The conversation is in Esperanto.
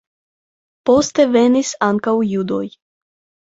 Poste venis ankaŭ judoj.